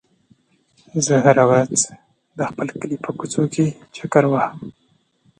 زه هره ورځ د خپل کلي په کوڅو کې چکر وهم.